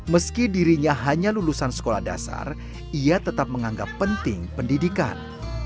meski dirinya hanya lulusan sekolah dasar ia tetap menganggap penting pendidikan